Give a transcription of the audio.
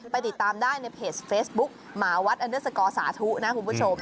ไปติดตามได้ในเพจเฟซบุ๊คหมาวัดสาธุนะคุณผู้ชม